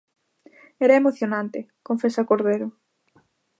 "Era emocionante", confesa Cordero.